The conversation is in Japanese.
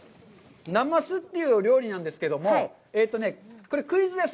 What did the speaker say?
「なます」っていう料理なんですけども、これクイズです。